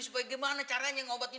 supaya gimana caranya ngobatin dia